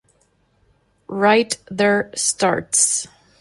Wright their starts.